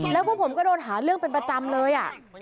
แล้วพวกผมก็โดนหาเรื่องเป็นประจำเลย